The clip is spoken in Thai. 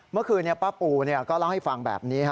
เมื่อคืนป้าปูก็เล่าให้ฟังแบบนี้